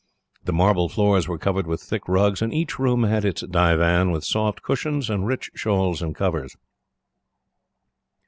The marble floors were covered with thick rugs, and each room had its divan, with soft cushions and rich shawls and covers.